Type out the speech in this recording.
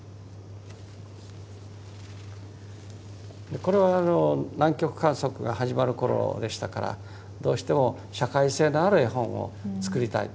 これは南極観測が始まる頃でしたからどうしても社会性のある絵本を作りたいと。